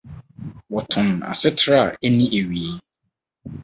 Wɔtɔn Asetra a Enni Awiei